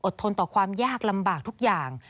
ทนต่อความยากลำบากทุกอย่าง